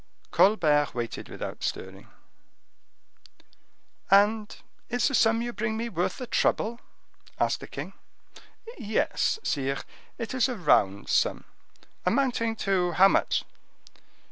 Colbert waited without stirring. "And is the sum you bring me worth the trouble?" asked the king. "Yes, sire, it is a round sum." "Amounting to how much?"